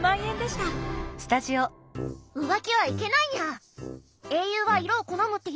浮気はいけないにゃ。